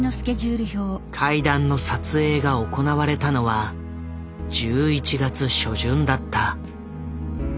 階段の撮影が行われたのは１１月初旬だった。